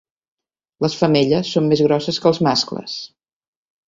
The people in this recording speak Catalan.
Les femelles són més grosses que els mascles.